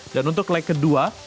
dan untuk leg kedua